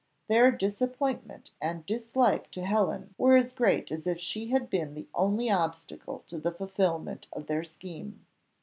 Their disappointment and dislike to Helen were as great as if she had been the only obstacle to the fulfilment of their scheme.